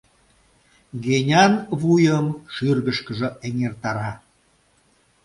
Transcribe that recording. Генян вуйым шӱргышкыжӧ эҥертара.